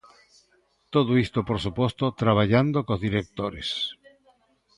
Todo isto, por suposto, traballando cos directores.